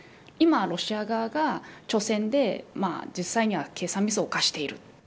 今はロシア側が初戦で実際には計算ミスを犯している。